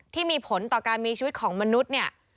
ที่มีผลต่อการมีชีวิตของมนุษย์เนี่ย